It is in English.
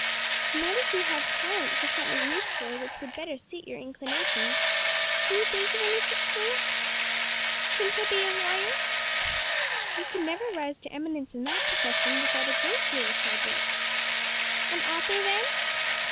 "Not if you have talent for something useful which would better suit your inclinations. Can you think of any such thing?" "Couldn't I be a lawyer?" "You could never rise to eminence in that profession without a great deal of hard work." "An author then?"